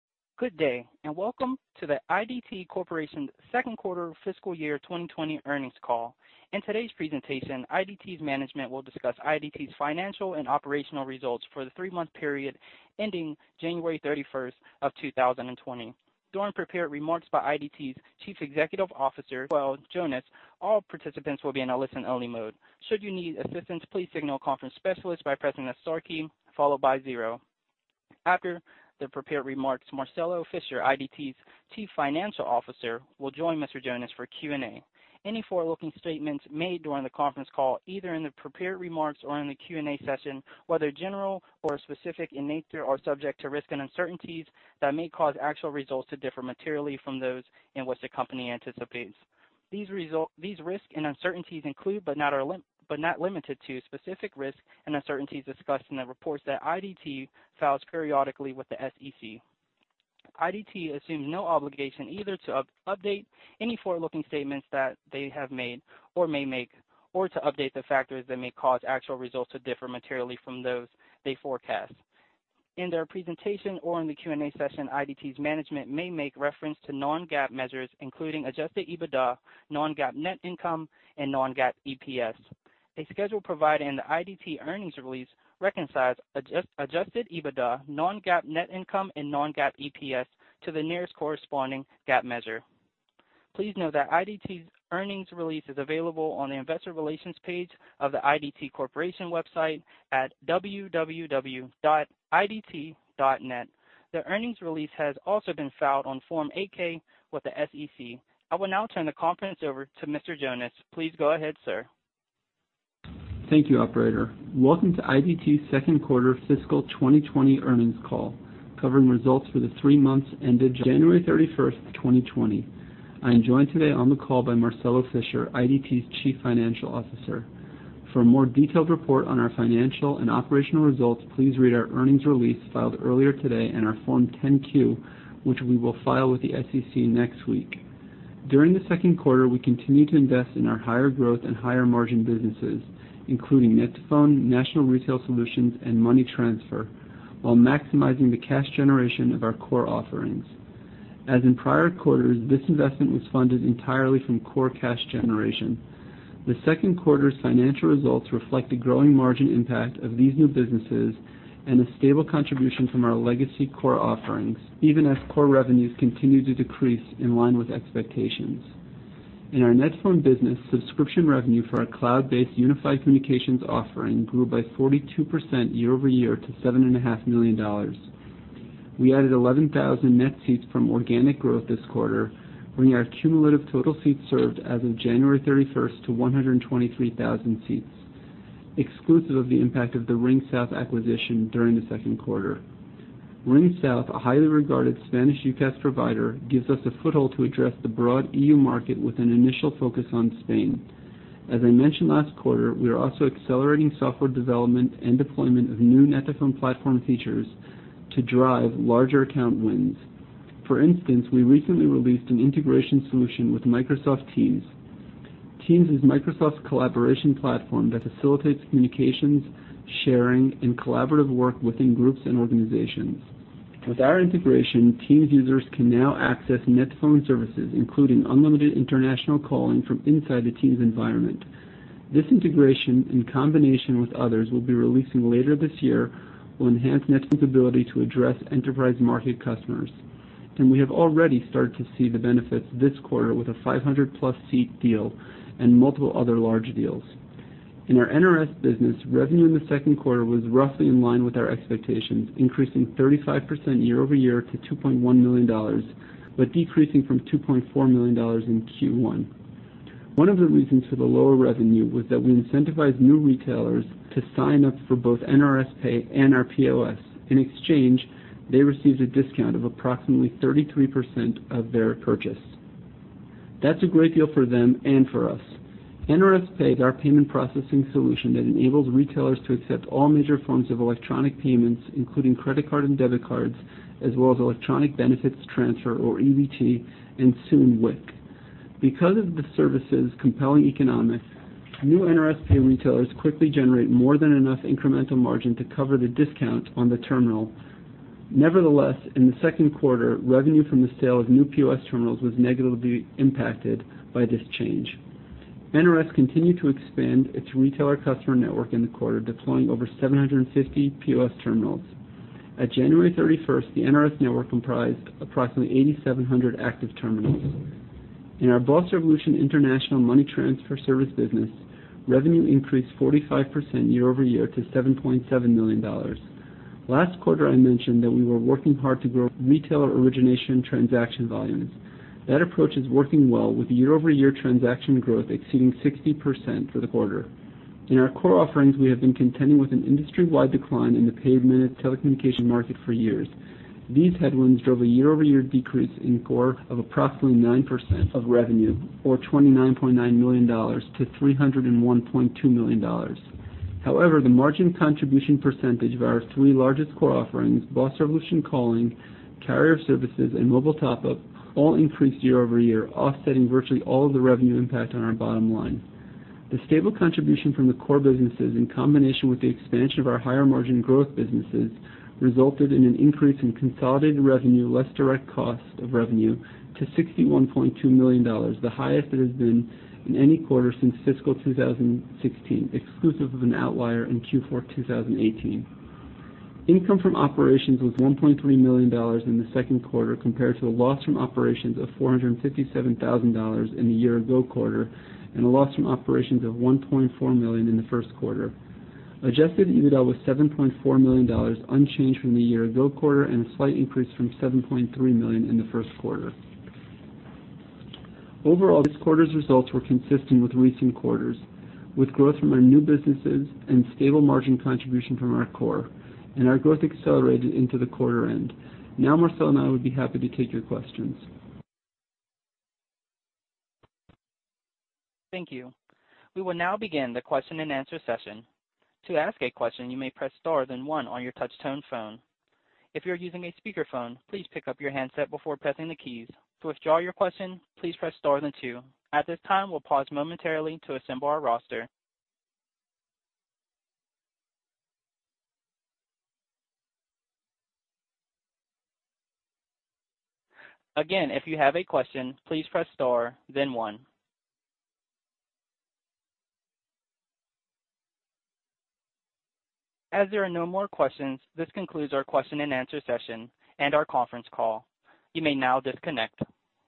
Good day, and welcome to the IDT Corporation's second quarter fiscal year 2020 earnings call. In today's presentation, IDT's management will discuss IDT's financial and operational results for the three-month period ending January 31st of 2020. During prepared remarks by IDT's Chief Executive Officer, Shmuel Jonas, all participants will be in a listen-only mode. Should you need assistance, please signal conference specialist by pressing the star key, followed by zero. After the prepared remarks, Marcelo Fischer, IDT's Chief Financial Officer, will join Mr. Jonas for Q&A. Any forward-looking statements made during the conference call, either in the prepared remarks or in the Q&A session, whether general or specific in nature, are subject to risk and uncertainties that may cause actual results to differ materially from those which the company anticipates. These risks and uncertainties include, but are not limited to, specific risks and uncertainties discussed in the reports that IDT files periodically with the SEC. IDT assumes no obligation either to update any forward-looking statements that they have made or may make, or to update the factors that may cause actual results to differ materially from those they forecast. In their presentation or in the Q&A session, IDT's management may make reference to non-GAAP measures, including Adjusted EBITDA, non-GAAP net income, and non-GAAP EPS. A schedule provided in the IDT earnings release reconciles Adjusted EBITDA, non-GAAP net income, and non-GAAP EPS to the nearest corresponding GAAP measure. Please note that IDT's earnings release is available on the investor relations page of the IDT Corporation website at www.idt.net. The earnings release has also been filed on Form 8-K with the SEC. I will now turn the conference over to Mr. Jonas. Please go ahead, sir. Thank you, Operator. Welcome to IDT's second quarter fiscal 2020 earnings call, covering results for the three months ended January 31st, 2020. I am joined today on the call by Marcelo Fischer, IDT's Chief Financial Officer. For a more detailed report on our financial and operational results, please read our earnings release filed earlier today and our Form 10-Q, which we will file with the SEC next week. During the second quarter, we continue to invest in our higher growth and higher margin businesses, including net2phone, National Retail Solutions, and Money Transfer, while maximizing the cash generation of our core offerings. As in prior quarters, this investment was funded entirely from core cash generation. The second quarter's financial results reflect the growing margin impact of these new businesses and a stable contribution from our legacy core offerings, even as core revenues continue to decrease in line with expectations. In our net2phone business, subscription revenue for our cloud-based unified communications offering grew by 42% year-over-year to $7.5 million. We added 11,000 net seats from organic growth this quarter, bringing our cumulative total seats served as of January 31st to 123,000 seats, exclusive of the impact of the RingSouth acquisition during the second quarter. RingSouth, a highly regarded Spanish UCaaS provider, gives us a foothold to address the broad EU market with an initial focus on Spain. As I mentioned last quarter, we are also accelerating software development and deployment of new net2phone platform features to drive larger account wins. For instance, we recently released an integration solution with Microsoft Teams. Teams is Microsoft's collaboration platform that facilitates communications, sharing, and collaborative work within groups and organizations. With our integration, Teams users can now access net2phone services, including unlimited international calling from inside the Teams environment. This integration, in combination with others we'll be releasing later this year, will enhance net2phone's ability to address enterprise market customers. And we have already started to see the benefits this quarter with a 500-plus seat deal and multiple other large deals. In our NRS business, revenue in the second quarter was roughly in line with our expectations, increasing 35% year-over-year to $2.1 million, but decreasing from $2.4 million in Q1. One of the reasons for the lower revenue was that we incentivized new retailers to sign up for both NRS Pay and our POS. In exchange, they received a discount of approximately 33% of their purchase. That's a great deal for them and for us. NRS Pay is our payment processing solution that enables retailers to accept all major forms of electronic payments, including credit card and debit cards, as well as Electronic Benefits Transfer or EBT, and soon WIC. Because of the service's compelling economics, new NRS Pay retailers quickly generate more than enough incremental margin to cover the discount on the terminal. Nevertheless, in the second quarter, revenue from the sale of new POS terminals was negatively impacted by this change. NRS continued to expand its retailer customer network in the quarter, deploying over 750 POS terminals. At January 31st, the NRS network comprised approximately 8,700 active terminals. In our Boss Revolution international money transfer service business, revenue increased 45% year-over-year to $7.7 million. Last quarter, I mentioned that we were working hard to grow retailer origination transaction volumes. That approach is working well, with year-over-year transaction growth exceeding 60% for the quarter. In our core offerings, we have been contending with an industry-wide decline in the paid minutes telecommunication market for years. These headwinds drove a year-over-year decrease in core of approximately 9% of revenue, or $29.9 million, to $301.2 million. However, the margin contribution percentage of our three largest core offerings, Boss Revolution Calling, Carrier Services, and Mobile Top-Up, all increased year-over-year, offsetting virtually all of the revenue impact on our bottom line. The stable contribution from the core businesses, in combination with the expansion of our higher margin growth businesses, resulted in an increase in consolidated revenue, less direct cost of revenue, to $61.2 million, the highest it has been in any quarter since fiscal 2016, exclusive of an outlier in Q4 2018. Income from operations was $1.3 million in the second quarter, compared to a loss from operations of $457,000 in the year-ago quarter and a loss from operations of $1.4 million in the first quarter. Adjusted EBITDA was $7.4 million, unchanged from the year-ago quarter, and a slight increase from $7.3 million in the first quarter. Overall, this quarter's results were consistent with recent quarters, with growth from our new businesses and stable margin contribution from our core, and our growth accelerated into the quarter end. Now, Marcelo and I would be happy to take your questions. Thank you. We will now begin the question-and-answer session. To ask a question, you may press star then one on your touch-tone phone. If you're using a speakerphone, please pick up your handset before pressing the keys. To withdraw your question, please press star then two. At this time, we'll pause momentarily to assemble our roster. Again, if you have a question, please press star then one. As there are no more questions, this concludes our question-and-answer session and our conference call. You may now disconnect.